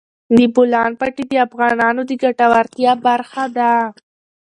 د بولان پټي د افغانانو د ګټورتیا برخه ده.